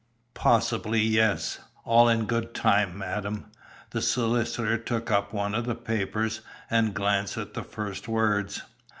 "Possibly, yes. All in good time, madam." The solicitor took up one of the papers, and glanced at the first words.